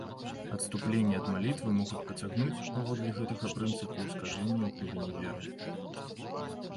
Адступленні ад малітвы могуць пацягнуць, паводле гэтага прынцыпу, скажэнні ў глыбіні веры.